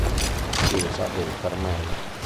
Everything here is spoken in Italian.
Chiesa del Carmelo